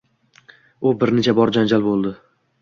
U bir necha bor janjal boʻldi.